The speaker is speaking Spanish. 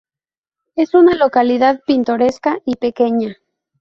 Es una localidad pintoresca y pequeña.